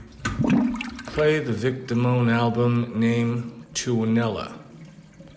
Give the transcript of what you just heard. Play the Vic Damone album named Tuonela